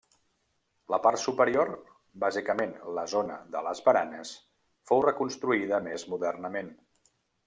La part superior, bàsicament la zona de les baranes, fou reconstruïda més modernament.